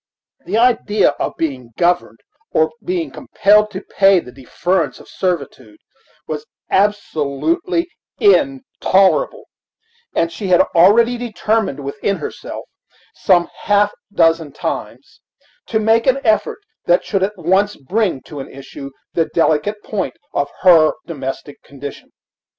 The idea of being governed, or of being compelled to pay the deference of servitude, was absolutely intolerable; and she had already determined within herself, some half dozen times, to make an effort that should at once bring to an issue the delicate point of her domestic condition.